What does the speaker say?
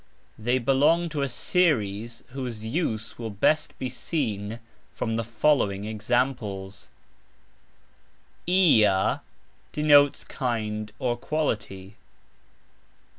They belong to a series whose use will best be seen from the following examples: "ia" denotes kind or quality.